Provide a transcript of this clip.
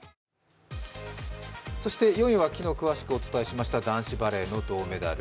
そして４位は昨日詳しくお伝えしました男子バレーの銅メダル。